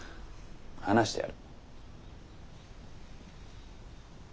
話してある。